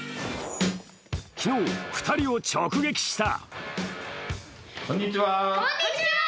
昨日、２人を直撃した。